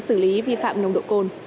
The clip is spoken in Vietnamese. xử lý vi phạm nồng độ cồn